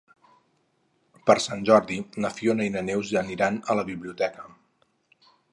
Per Sant Jordi na Fiona i na Neus aniran a la biblioteca.